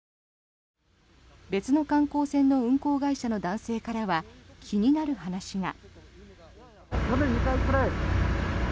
別の観光船の運航会社の男性からは気になる話が。